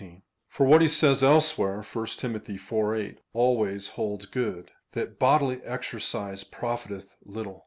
For what he says elsewhere (1 Tim. iv. 8) always holds good — ^that bodili/ exer cise profiteth little.